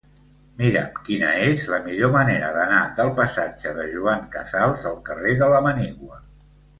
Mira'm quina és la millor manera d'anar del passatge de Joan Casas al carrer de la Manigua.